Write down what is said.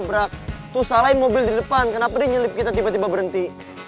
nabrak tuh salah mobil di depan kenapa dia nyelip kita tiba tiba berhenti